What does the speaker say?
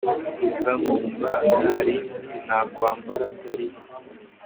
gusa nkumva ntarindi nakwambara atari ryo